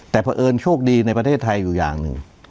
แต่เพราะเอิญโชคดีในประเทศไทยอยู่อย่างหนึ่ง